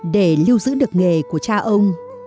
để lưu giữ được nghề của cha ông